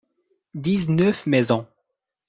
Dix-neuf maisons.